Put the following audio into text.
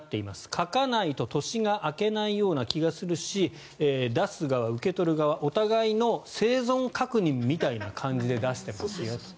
書かないと年が明けないような気がするし出す側、受け取る側お互いの生存確認みたいな感じで出してますよと。